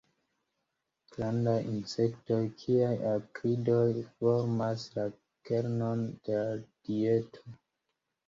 Grandaj insektoj kiaj akridoj formas la kernon de la dieto.